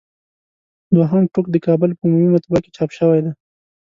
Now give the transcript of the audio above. دوهم ټوک د کابل په عمومي مطبعه کې چاپ شوی دی.